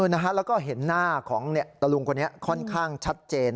แล้วก็เห็นหน้าของตะลุงคนนี้ค่อนข้างชัดเจน